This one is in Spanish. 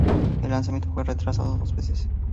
El lanzamiento fue retrasado dos veces.